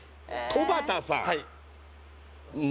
戸畑さん